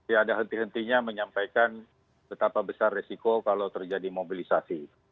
ya ada henti hentinya menyampaikan betapa besar resiko kalau terjadi mobilisasi